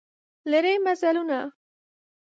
لیري مزلونه